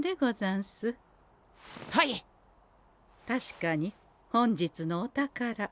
確かに本日のお宝